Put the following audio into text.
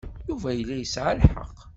Yuba yella yesɛa lḥeqq.